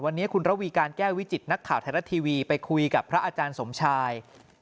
วันนี้คุณระวีการแก้ววิจิตนักข่าวไทยรัฐทีวีไปคุยกับพระอาจารย์สมชาย